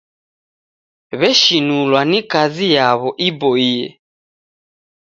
W'eshinulwa ni kazi yaw'o iboie.